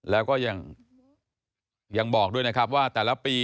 แล้วก็ยังบอกด้วยว่าแต่ละปี